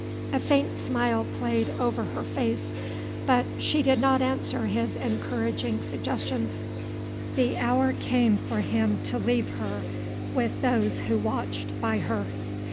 A faint smile played over her face, but she did not answer his encouraging suggestions. The hour came for him to leave her with those who watched by her.